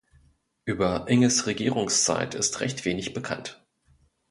Über Inges Regierungszeit ist recht wenig bekannt.